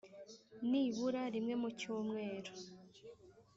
nibura rimwe mu cyumweru.